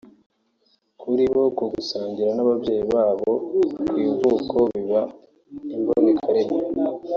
Kuri bo ngo gusangira umwaka n’ababyeyi babo ku ivuko biba imbonekarimwe